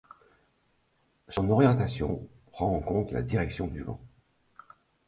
Son orientation prend en compte la direction du vent.